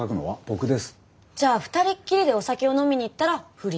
じゃあ２人っきりでお酒を飲みに行ったら不倫？